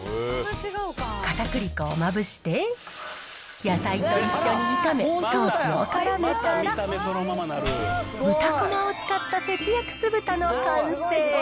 かたくり粉をまぶして、野菜と一緒に炒め、ソースをからめたら、豚コマを使った節約酢豚の完成。